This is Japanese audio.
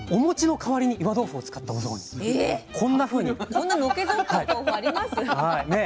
こんなのけぞったお豆腐あります？